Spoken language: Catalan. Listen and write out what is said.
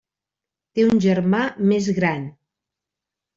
Té un germà més gran.